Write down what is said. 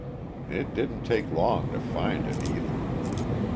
It didn't take long to find it, either.